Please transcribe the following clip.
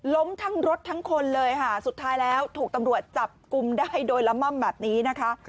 ล้มทั้งรถทั้งคนเลยค่ะสุดท้ายแล้วถูกตำรวจจับกลุ่มได้โดยละม่อมแบบนี้นะคะ